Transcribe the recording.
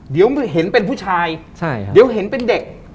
เดี๋ยวเห็นเป็นผู้ชายเดี๋ยวเห็นเป็นเด็ก